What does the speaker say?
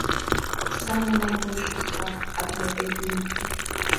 Самы найбольшы страх ад гэткай думкі.